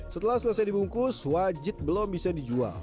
setelah selesai dibungkus wajit belum bisa dijual